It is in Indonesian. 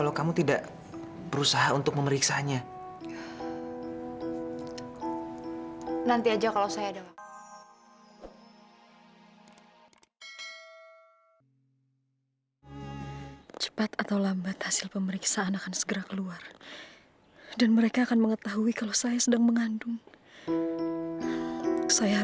sampai jumpa di video selanjutnya